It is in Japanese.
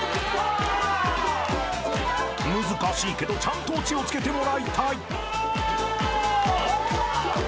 ［難しいけどちゃんとオチを付けてもらいたい］